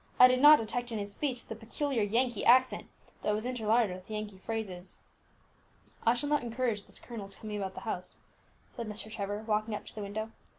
"I did not detect in his speech the peculiar Yankee accent, though it was interlarded with Yankee phrases." "I shall not encourage this colonel's coming about the house," said Mr. Trevor, walking up to the window.